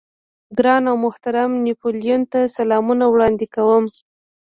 ګران او محترم نيپولېين ته سلامونه وړاندې کوم.